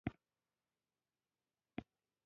د عنصر د نوم بل ښکاره توری په وړوکي توري لیکل کیږي.